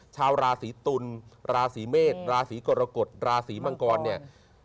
ชาวราศีตุลราศีเมษราศีกรกฎราศีมังกรเนี่ย